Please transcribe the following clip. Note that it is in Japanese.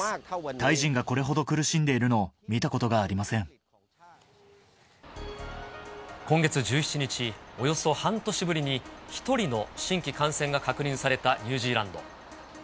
タイ人がこれほど苦しんでいるの今月１７日、およそ半年ぶりに、１人の新規感染が確認されたニュージーランド。